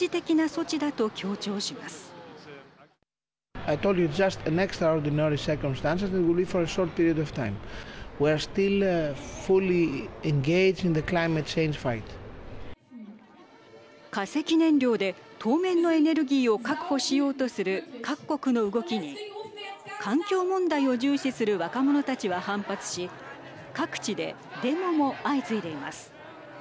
化石燃料で当面のエネルギーを確保しようとする各国の動きに環境問題を重視する若者たちは反発し各地で、デモも相次いでいます。